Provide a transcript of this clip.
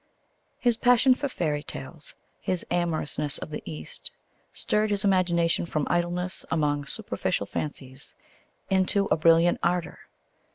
_ His passion for fairy tales, his amorousness of the East, stirred his imagination from idleness among superficial fancies into a brilliant ardour.